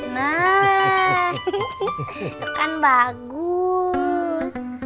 nah itu kan bagus